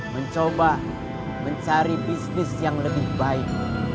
mencoba mencari bisnis yang lebih baik